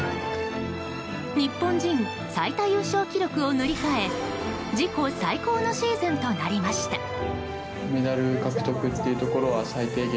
日本人最多優勝記録を塗り替え自己最高のシーズンとなりました。